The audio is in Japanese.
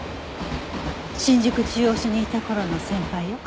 新宿中央署にいた頃の先輩よ。